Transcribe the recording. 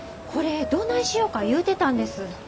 これどないしよか言うてたんです。